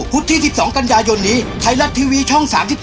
ที่๑๒กันยายนนี้ไทยรัฐทีวีช่อง๓๒